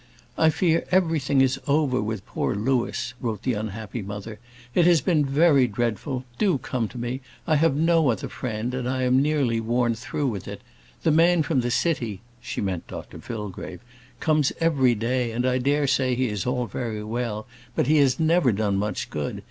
"I fear everything is over with poor Louis," wrote the unhappy mother. "It has been very dreadful. Do come to me; I have no other friend, and I am nearly worn through with it. The man from the city" she meant Dr Fillgrave "comes every day, and I dare say he is all very well, but he has never done much good.